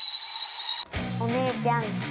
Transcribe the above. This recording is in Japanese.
お姉ちゃん